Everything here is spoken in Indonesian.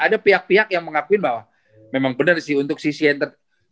ada pihak pihak yang mengakuin bahwa memang bener sih untuk sisi entertainment